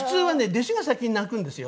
弟子が先に泣くんですよ。